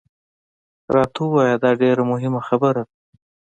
راته ووایه، دا ډېره مهمه خبره ده.